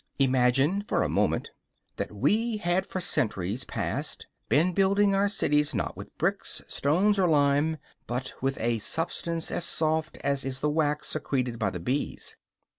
Imagine for a moment that we had for centuries past been building our cities, not with bricks, stones and lime, but with a substance as soft as is the wax secreted by the bees.